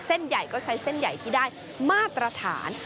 เส้นใหญ่ก็ใช้เส้นใหญ่ที่ได้มาตรฐาน